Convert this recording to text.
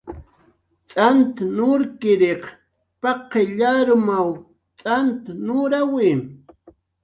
T'ant urkiriq paqill arumw t'ant nurawi